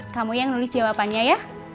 kamu yang nulis jawabannya ya